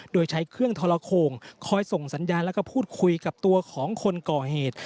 โดยใช้เครื่องทรโขงคอยส่งสัญญาณแล้วก็พูดคุยกับตัวของคนก่อเหตุ